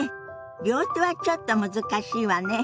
両手はちょっと難しいわね。